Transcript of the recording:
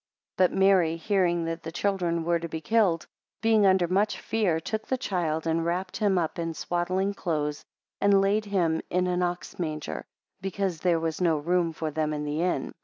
2 But Mary hearing that the children were to be killed, being under much fear, took the child, and wrapped him up in swaddling clothes, and laid him in an ox manger, because there was no room for them in the inn.